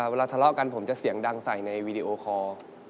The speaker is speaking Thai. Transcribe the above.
เวลาทะเลาะกันผมจะเสียงดังใส่ในวีดีโอคอร์